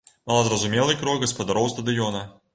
Малазразумелы крок гаспадароў стадыёна.